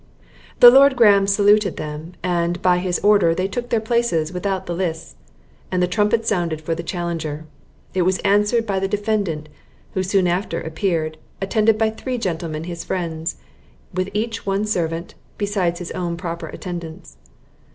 The Lord Graham saluted them; and, by his order, they took their places without the lists, and the trumpet sounded for the challenger. It was answered by the defendant, who soon after appeared, attended by three gentlemen his friends, with each one servant, beside his own proper attendants.